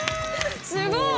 すごい！